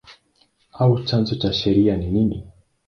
au chanzo cha sheria ni nini?